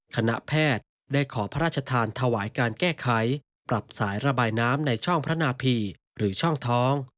คณะแพทย์ได้ขอพระราชทานถวายการแก้ไขปรับสายระบายน้ำในช่องพระนาพีหรือช่องท้อง